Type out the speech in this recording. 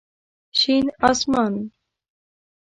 شين اسمان